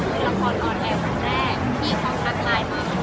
ช่องความหล่อของพี่ต้องการอันนี้นะครับ